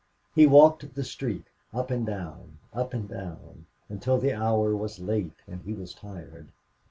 He walked the street, up and down, up and down, until the hour was late and he was tired.